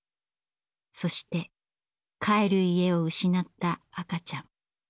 そして「帰る家」を失った赤ちゃん。